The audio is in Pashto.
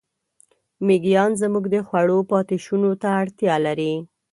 مېږیان زموږ د خوړو پاتېشونو ته اړتیا لري.